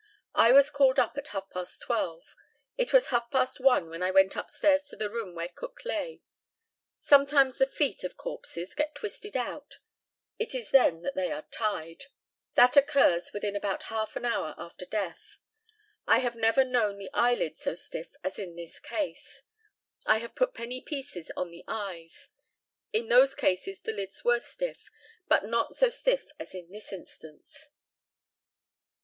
I was called up at half past twelve. It was half past one when I went upstairs to the room where Cook lay. Sometimes the feet of corpses get twisted out; it is then that they are tied. That occurs within about half an hour after death. I have never known the eyelid so stiff as in this case. I have put penny pieces on the eyes. In those cases the lids were stiff, but not so stiff as in this instance.